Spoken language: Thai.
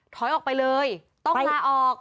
ถอยออกไปเลยต้องลาออก